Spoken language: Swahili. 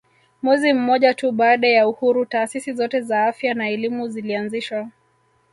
Mwezi mmoja tu baada ya uhuru taasisi zote za afya na elimu zilianzishwa